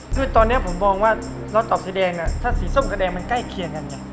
คือตอนนี้ผมมองว่าเราตอบสีแดงถ้าสีส้มกับแดงมันใกล้เคียงกันไง